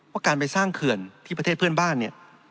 ว่าการไปสร้างเขื่อนที่ประเทศเพื่อนบ้าน